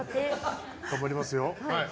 頑張りますよ。